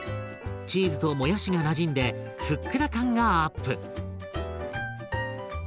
チーズともやしがなじんでふっくら感がアップ！